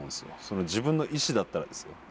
自分の意志だったらですよ。